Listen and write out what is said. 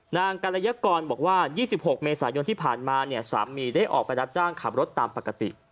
กรยากรบอกว่า๒๖เมษายนที่ผ่านมาเนี่ยสามีได้ออกไปรับจ้างขับรถตามปกติ